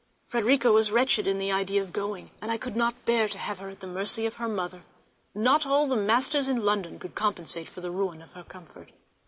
Frederica was wretched in the idea of going, and I could not bear to have her at the mercy of her mother; not all the masters in London could compensate for the ruin of her comfort.